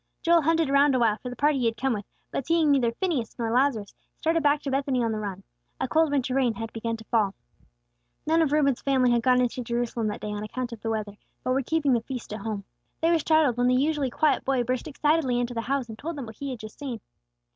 Joel hunted around awhile for the party he had come with, but seeing neither Phineas nor Lazarus, started back to Bethany on the run. A cold winter rain had begun to fall. None of Reuben's family had gone into Jerusalem that day on account of the weather, but were keeping the feast at home. They were startled when the usually quiet boy burst excitedly into the house, and told them what he had just seen.